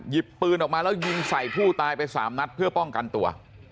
ปืนออกมาแล้วยิงใส่ผู้ตายไปสามนัดเพื่อป้องกันตัว